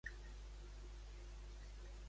A quina producció sobre Franco va col·laborar?